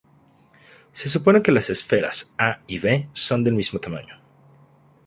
Se supone que las esferas "A" y "B" son del mismo tamaño.